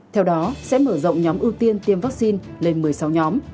theo đó sẽ mở rộng nhóm ưu tiên tiêm vaccine lên một mươi sáu nhóm